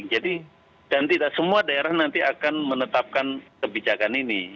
jadi dan tidak semua daerah nanti akan menetapkan kebijakan ini